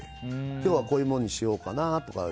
今日はこういうものにしようかなとか。